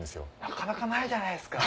なかなかないじゃないですか。